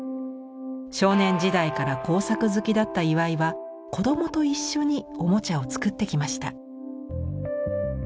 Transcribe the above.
少年時代から工作好きだった岩井は子どもと一緒におもちゃを作ってきました。